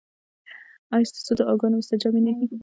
ایا ستاسو دعاګانې مستجابې نه دي؟